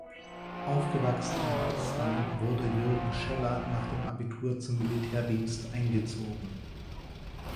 Aufgewachsen in Potsdam wurde Jürgen Scheller nach dem Abitur zum Militärdienst eingezogen.